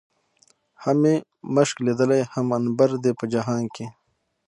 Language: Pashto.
هم مې مښک ليدلي، هم عنبر دي په جهان کې